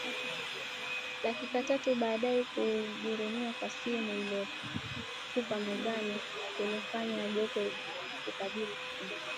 Dakika tatu baadae kuunguruma kwa simu aliyoitupa mezani kulimfanya ageuke kukabiri chumba